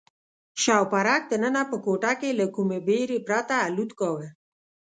شوپرک دننه په کوټه کې له کومې بېرې پرته الوت کاوه.